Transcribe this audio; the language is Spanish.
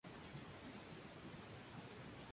El presbiterio se cubre con cúpula de media naranja.